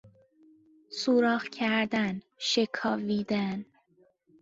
سوراخ کردن، شکاویدن